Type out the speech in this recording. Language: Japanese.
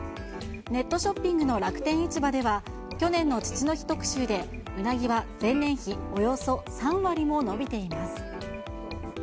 ネットショッピングの楽天市場では、去年の父の日特集で、うなぎは前年比およそ３割も伸びています。